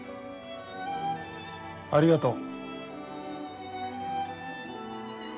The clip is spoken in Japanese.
ありがとう。